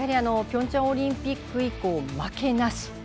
ピョンチャンオリンピック以降、負けなし。